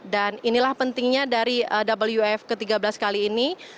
dan inilah pentingnya dari wif ke tiga belas kali ini